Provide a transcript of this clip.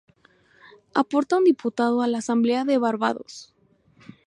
Aporta un diputado a la Asamblea de Barbados.